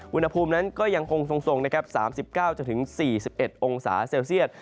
วุณภูมินั้นก็ยังคงทรง๓๙๔๑องศาเซลเซียต